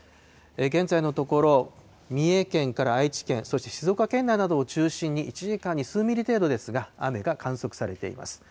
現在のところ、三重県から愛知県、そして静岡県内などを中心に、１時間に数ミリ程度ですが雨が観測されています。